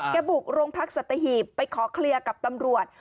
บุกโรงพักสัตหีบไปขอเคลียร์กับตำรวจ